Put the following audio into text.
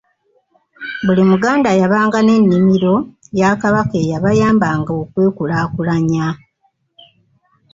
Buli Muganda yabanga n’ennimiro ya Kabaka eyabayabanga okwekulaakulanya.